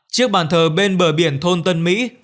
chiếc bàn thờ bên bờ biển thôn tân mỹ